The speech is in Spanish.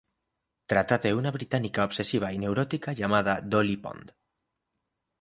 Trata de una británica obsesiva y neurótica llamada Dolly Pond.